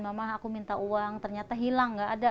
mama aku minta uang ternyata hilang nggak ada